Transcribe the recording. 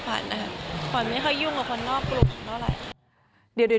ขวัญไม่ได้ต้นเองป่อนในเขายุ่งกับคนนอกกลุ่มก็อะไร